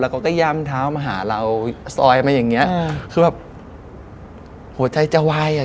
แล้วก็กระย่ำเท้ามาหาเราซอยมาอย่างนี้คือแบบหัวใจจะไหว